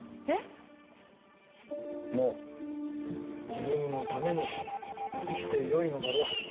もう自分のために生きてよいのだぞ。